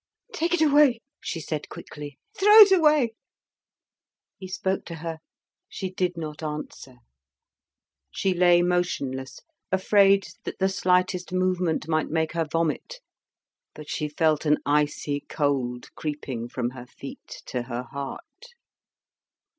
"Take it away," she said quickly; "throw it away." He spoke to her; she did not answer. She lay motionless, afraid that the slightest movement might make her vomit. But she felt an icy cold creeping from her feet to her heart.